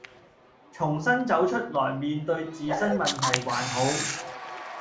重新走出來面對自身問題還好